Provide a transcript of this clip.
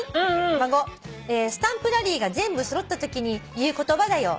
孫『スタンプラリーが全部揃ったときに言う言葉だよ。